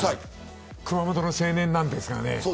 熊本の青年なんですがね